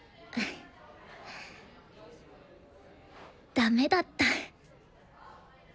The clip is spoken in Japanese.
ダメだった。